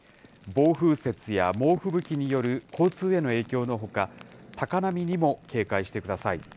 暴風雪や猛吹雪による交通への影響のほか、高波にも警戒してください。